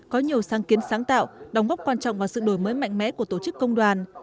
có nhiều sáng kiến sáng tạo đóng góp quan trọng vào sự đổi mới mạnh mẽ của tổ chức công đoàn